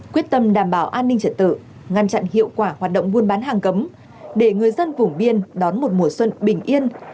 quyết tâm đảm bảo an ninh trật tự ngăn chặn hiệu quả hoạt động buôn bán hàng cấm để người dân vùng biên đón một mùa xuân bình yên